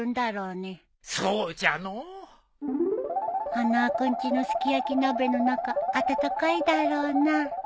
花輪君ちのすき焼き鍋の中温かいだろうな。